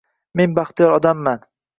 Men baxtiyor odamman.